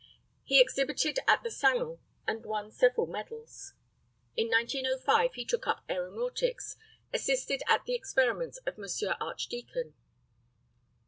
He exhibited at the Salon, and won several medals. In 1905, he took up aeronautics, assisted at the experiments of M. Archdeacon.